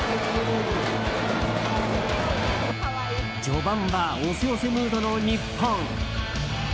序盤は押せ押せムードの日本。